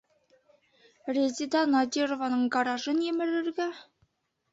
Резеда Надированың гаражын емерергә?!